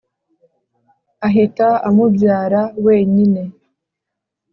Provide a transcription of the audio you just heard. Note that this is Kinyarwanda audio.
Ahita amubyara wenyine.